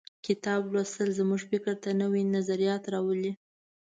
کتاب لوستل زموږ فکر ته نوي نظریات راولي.